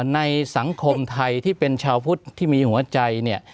ในสังคมไทยที่เป็นชาวพุทธที่มีหัวใจเนี่ย